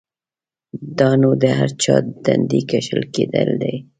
دا نو د هر چا د تندي کښل کېدل دی؛